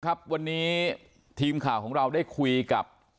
ครับวันนี้ทีมข่าวของเราได้คุยกับ